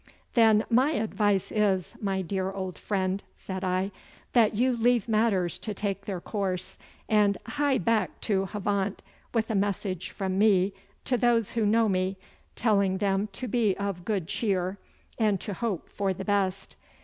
'Then my advice is, my dear old friend,' said I, 'that you leave matters to take their course, and hie back to Havant with a message from me to those who know me, telling them to be of good cheer, and to hope for the best.